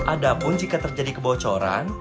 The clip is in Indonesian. adapun jika terjadi kebocoran